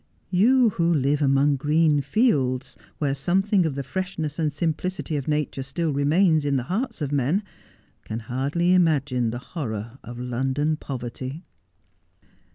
You, who live among green fields, where something of the freshness and simplicity of nature still remains in the hearts of men, can hardly imagine the horror of London poverty.'